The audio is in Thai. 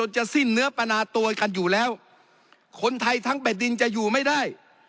จะสิ้นเนื้อปนาตัวกันอยู่แล้วคนไทยทั้งแผ่นดินจะอยู่ไม่ได้